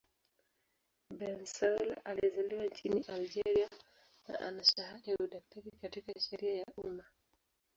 Bensaoula alizaliwa nchini Algeria na ana shahada ya udaktari katika sheria ya umma.